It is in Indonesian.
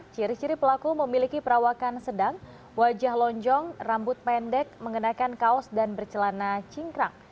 ciri ciri pelaku memiliki perawakan sedang wajah lonjong rambut pendek mengenakan kaos dan bercelana cingkrang